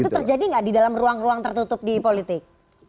itu terjadi nggak di dalam ruang ruang tertutup di politik